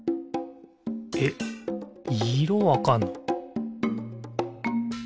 えっいろわかんの！？